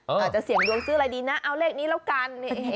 อาจจะเสี่ยงดวงซื้ออะไรดีนะเอาเลขนี้แล้วกัน